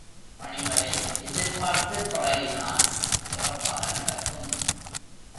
பணிகளை, எதிர்பார்த்துத் தொடங்கினால் சிறப்பாக நடக்கும்.